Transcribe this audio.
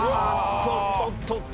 とっとっとっと。